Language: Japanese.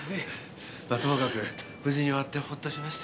まあともかく無事に終わってホッとしましたよ。